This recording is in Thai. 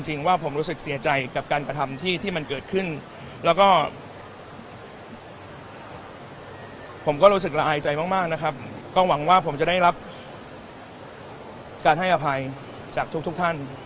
ช่วยดูชอบหวังว่าผมจะได้รับการให้อภัยจากทุกท่าน